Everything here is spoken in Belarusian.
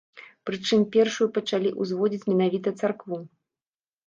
Прычым, першую пачалі ўзводзіць менавіта царкву.